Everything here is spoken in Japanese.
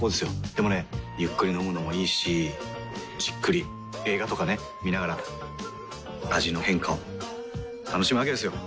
でもねゆっくり飲むのもいいしじっくり映画とかね観ながら味の変化を楽しむわけですよ。